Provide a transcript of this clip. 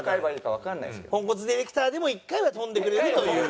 ポンコツディレクターでも１回は飛んでくれるという。